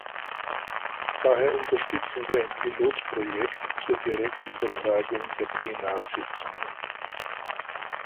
Daher unterstützen wir ein Pilotprojekt zur Direktübertragung der Plenarsitzungen.